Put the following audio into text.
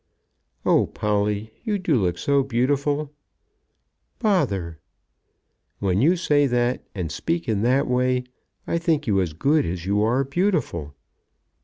"Oh, Polly, you do look so beautiful!" "Bother!" "When you say that, and speak in that way, I think you as good as you are beautiful."